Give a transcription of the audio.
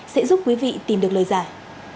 sẽ giúp quý vị tìm được lời giải